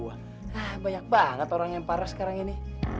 wah banyak banget orang yang parah sekarang ini